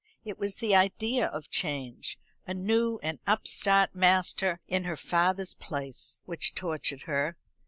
It was the idea of change, a new and upstart master in her father's place, which tortured her.